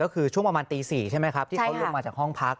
ก็คือช่วงประมาณตี๔ใช่ไหมครับที่เขาลงมาจากห้องพัก